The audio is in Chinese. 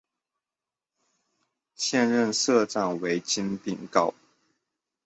现任社长为金炳镐。